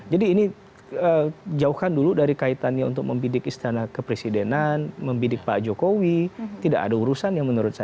jadi ini jauhkan dulu dari kaitannya untuk membidik istana kepresidenan membidik pak jokowi tidak ada urusan yang menurut saya